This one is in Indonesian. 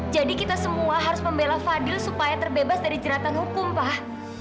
jadi kita semua harus membela fadil supaya terbebas dari jeratan hukum pak